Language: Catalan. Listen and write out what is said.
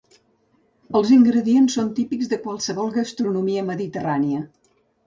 Els ingredients són típics de qualsevol gastronomia mediterrània.